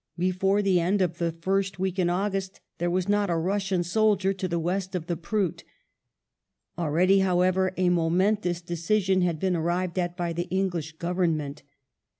Before the end of the first week in August there was not a Rus sian soldier to the west of the Pruth. Minis Already, however, a momentous decision had been arrived at tenal dis by the English Government.